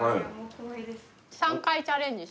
３回チャレンジ。